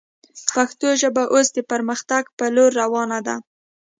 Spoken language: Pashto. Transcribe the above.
پښتو ژبه اوس د پرمختګ پر لور روانه ده